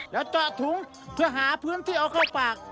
แล้วเจาะถุงเพื่อหาพื้นที่เอาเข้าปาก